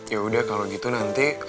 yaudah kalau gitu nanti